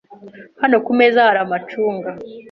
Hano kumeza hari amacunga.